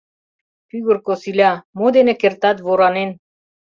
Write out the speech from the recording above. Пӱгыр косиля, Мо дене кертат воранен?